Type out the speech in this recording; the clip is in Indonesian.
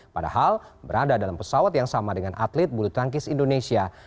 padahal berada dalam pesawat yang sama dengan atlet bulu tangkis indonesia